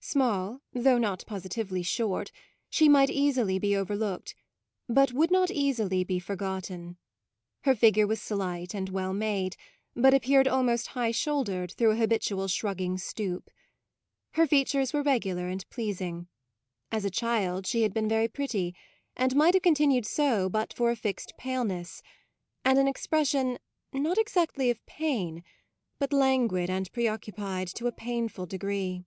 Small, though not positively short, she might easily be overlooked, but would not easily be forgotten. Her figure was slight and well made, but appeared almost high shouldered through a habitual shrugging stoop. Her features were regular and pleas ing; as a child she had been very pretty, and might have continued so but for a fixed paleness, and an ex pression, not exactly of pain, but languid and preoccupied to a painful degree.